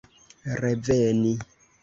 reveni